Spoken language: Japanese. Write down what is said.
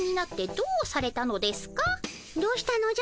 どうしたのじゃ？